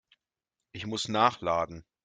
Ich muss nachladen.